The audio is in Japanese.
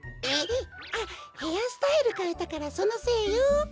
あっヘアスタイルかえたからそのせいよ。